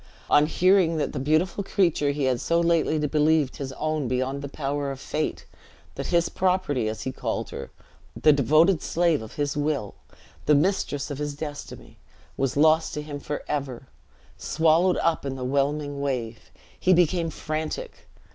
On hearing that the beautiful creature he had so lately believed his own beyond the power of fate; that his property, as he called her, the devoted slave of his will, the mistress of his destiny, was lost to him forever! swallowed up in the whelming wave! he became frantic.